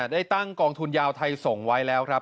ได้ตั้งกองทุนยาวไทยส่งไว้แล้วครับ